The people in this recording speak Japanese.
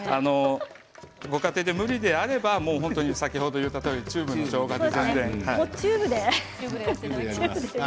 ご家庭で無理であれば先ほど言ったとおりチューブのしょうがで。